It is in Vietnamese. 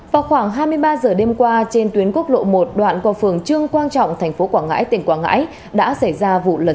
vào khoảng hai mươi ba h đêm qua trên tuyến quốc lộ một đoạn cò phường trương quang trọng thành phố quảng ngãi tỉnh quảng ngãi